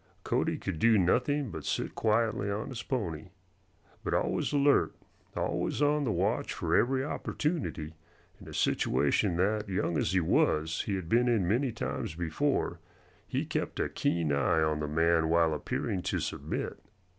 Cody could do nothing but sit quietly on his pony. But always alert, always on the watch for every opportunity, in a situation that, young as he was, he had been in many times before, he kept a keen eye on the man while appearing to submit.